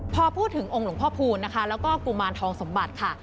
พอพูดถึงองค์หลวงพ่อพูนนะคะแล้วก็กุมารทองสมบัติค่ะ